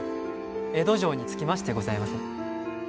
江戸城に着きましてございます。